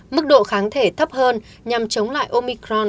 mức độ kháng thể thấp hơn nhằm chống lại omicron